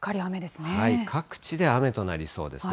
各地で雨となりそうですね。